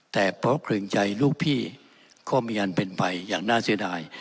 แต่เพราะเกรงใจลูกพี่ก็มีอันเป็นไปอย่างน่าเสียดาย